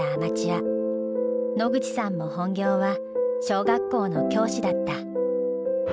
野口さんも本業は小学校の教師だった。